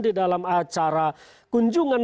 di dalam acara kunjungan